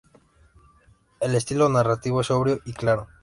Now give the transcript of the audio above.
El estilo narrativo es sobrio y claro.